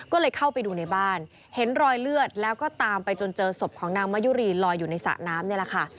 ก็เลยเข้าไปดูในบ้านเห็นรอยเลือดแล้วก็ตามไปจนเจอศพของนางมะยุรีลอยอยู่ในสระน้ำนี่แหละค่ะ